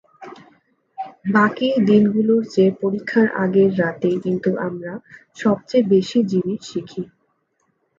বাকি দিনগুলোর চেয়ে পরীক্ষার আগের রাতেই কিন্তু আমরা সবচেয়ে বেশি জিনিস শিখি।